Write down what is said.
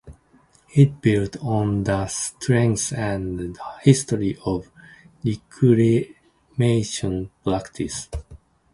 It builds on the strengths and history of reclamation practice.